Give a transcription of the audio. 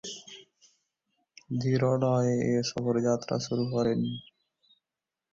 ধীরলয়ে এ সফরে যাত্রা শুরু করেন।